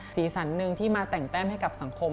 สีสันหนึ่งที่มาแต่งแต้มให้กับสังคม